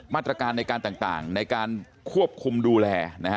มาตรการในการต่างในการควบคุมดูแล